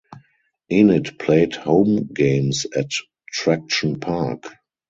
Enid played home games at Traction Park.